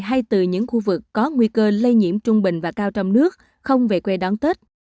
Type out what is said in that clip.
hay từ những khu vực có nguy cơ lây nhiễm trung bình và cao trong nước không về quê đón tết